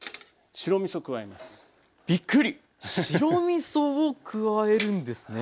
白みそを加えるんですね。